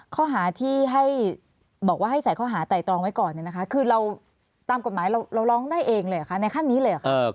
ข้อหาที่ให้บอกว่าให้ใส่ข้อหาไต่ตรองไว้ก่อนเนี่ยนะคะคือเราตามกฎหมายเราร้องได้เองเลยเหรอคะในขั้นนี้เลยเหรอคะ